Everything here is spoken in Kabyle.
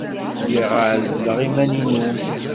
Lliɣ ɛezzleɣ iman-inu.